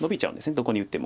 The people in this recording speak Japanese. どこに打っても。